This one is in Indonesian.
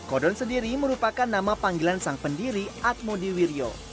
mie kodon sendiri merupakan nama panggilan sang pendiri admo diwiryo